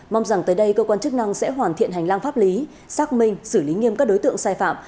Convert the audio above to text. mong rằng tới đây cơ quan chức năng sẽ hoàn thiện hành lang pháp lý xác minh xử lý nghiêm các đối tượng sai phạm